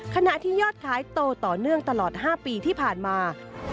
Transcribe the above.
ขณะที่ยอดขายโตต่อเนื่องตลอด๕ปีที่ผ่านมา